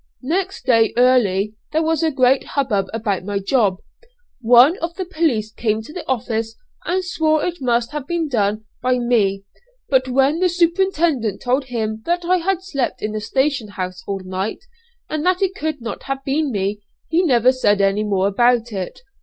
Next day, early, there was a great hubbub about my job. One of the police came to the office and swore it must have been done by me; but when the superintendent told him that I had slept in the station house all night, and that it could not have been me, he never said any more about it.